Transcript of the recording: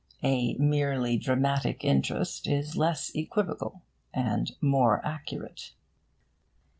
'A merely dramatic interest' is less equivocal, and more accurate.